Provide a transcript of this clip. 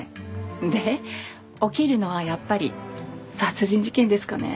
で起きるのはやっぱり殺人事件ですかね？